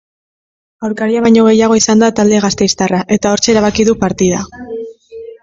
Aurkaria baino gehiago izan da talde gasteiztarra, eta hortxe erabaki du partida.